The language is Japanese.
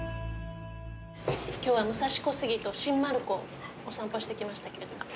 今日は武蔵小杉と新丸子お散歩してきましたけれど。